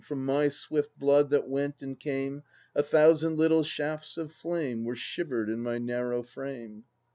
From my swift blood that went and came A thousand little shafts of flame Were shivered in my narrow frame.